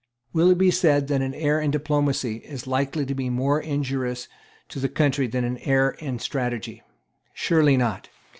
Will it be said that an error in diplomacy is likely to be more injurious to the country than an error in strategy? Surely not.